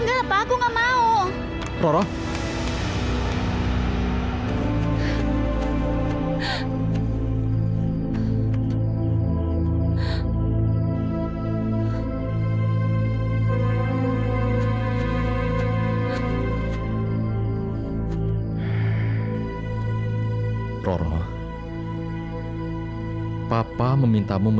tidak pa aku tidak mau